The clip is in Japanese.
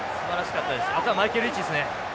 あとはマイケルリーチですね。